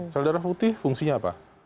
sel darah putih fungsinya apa